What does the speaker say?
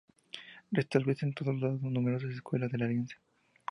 Restablece en todos lados numerosas escuelas de la Alianza.